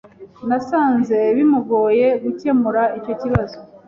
Nasanze bimugoye gukemura icyo kibazo.